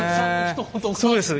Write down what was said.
そうです。